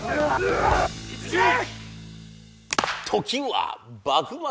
時は幕末。